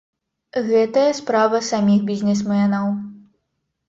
Гэтая справа саміх бізнесменаў.